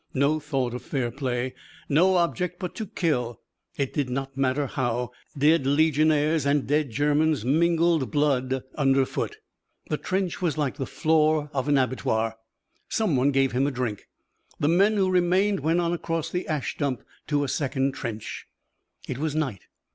No thought of fair play, no object but to kill it did not matter how. Dead Legionnaires and dead Germans mingled blood underfoot. The trench was like the floor of an abattoir. Someone gave him a drink. The men who remained went on across the ash dump to a second trench. It was night.